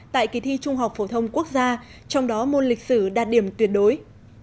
tại kỳ thi trung học phổ thông quốc gia trong đó môn lịch sử đạt điểm tuyệt đối